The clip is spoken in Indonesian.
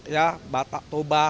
ya batak toba